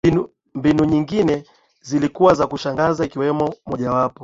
Mbinu nyingine zilikuwa za kushangaza ikiwemo mojawapo